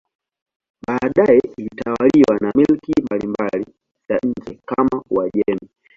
Baadaye ilitawaliwa na milki mbalimbali za nje kama Uajemi.